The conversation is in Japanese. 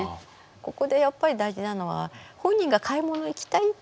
ここでやっぱり大事なのは本人が買い物行きたいって言った。